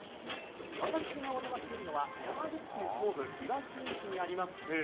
私がお邪魔しているのは山口県東部・岩国市にあります